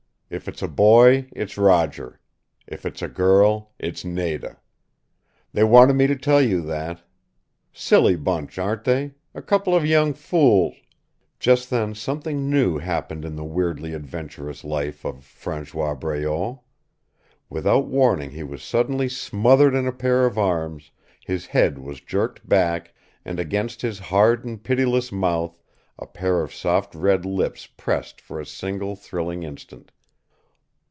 If it's a boy it's Roger if it's a girl it's Nada. They wanted me to tell you that. Silly bunch, aren't they? A couple of young fools " Just then something new happened in the weirdly adventurous life of François Breault. Without warning he was suddenly smothered in a pair of arms, his head was jerked back, and against his hard and pitiless mouth a pair of soft red lips pressed for a single thrilling instant.